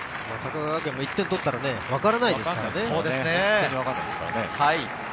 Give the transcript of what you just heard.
高川学園も１点取ったら分からないですからね。